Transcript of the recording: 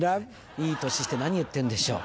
いい年して何言ってんでしょう。